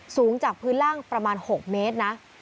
สูงจากพื้นล่างประมาณ๖เมตรนะ